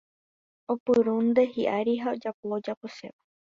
Opyrũnte hiʼári ha ojapo ojaposéva.